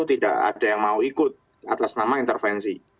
tidak ada yang mau ikut atas nama intervensi